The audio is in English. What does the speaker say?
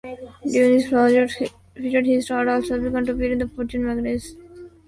During this period his art also began to appear in "Fortune" magazine.